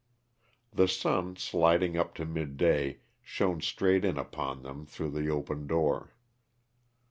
The sun, sliding up to midday, shone straight in upon them through the open door.